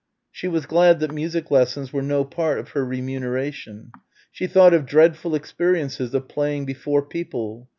She was glad that music lessons were no part of her remuneration. She thought of dreadful experiences of playing before people.